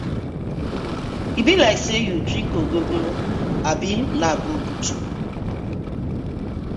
E bi like say yu dring ogogoro or abi na brukutu.